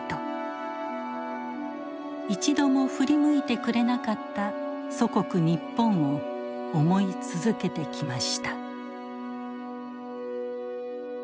一度も振り向いてくれなかった祖国日本を思い続けてきました。